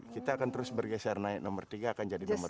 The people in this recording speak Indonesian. kita akan terus bergeser naik nomor tiga akan jadi nomor dua